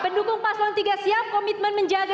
pendukung paslon tiga siap komitmen menjaga